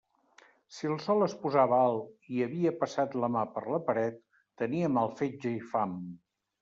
Si el sol es posava alt, i havia passat la mà per la paret, tenia mal fetge i fam.